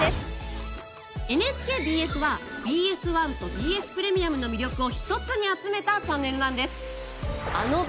ＮＨＫＢＳはＢＳ１とＢＳプレミアムの魅力を一つに集めたチャンネルなんです。